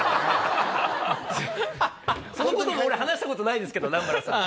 そのことも俺話したことないですけど南原さんに。